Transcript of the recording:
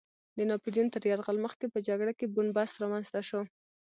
د ناپیلیون تر یرغل مخکې په جګړه کې بن بست رامنځته شو.